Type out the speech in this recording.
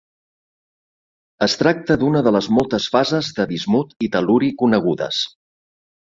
Es tracta d'una de les moltes fases de bismut i tel·luri conegudes.